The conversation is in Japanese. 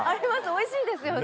おいしいですよね？